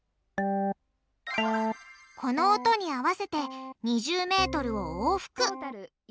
この音に合わせて２０ｍを往復。